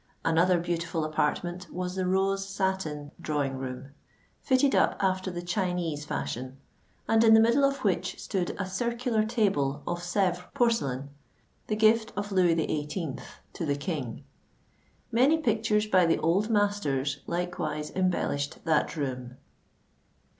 Another beautiful apartment was the Rose Satin Drawing room, fitted up after the Chinese fashion, and in the middle of which stood a circular table of Sevres porcelain, the gift of Louis XVIII. to the King. Many pictures by the old masters likewise embellished that room.